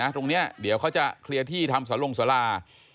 ตรงนี้เดี๋ยวเขาจะเคลียร์ที่ทำสลงสารา